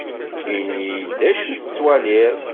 Ini-d d acu tettwaliḍ.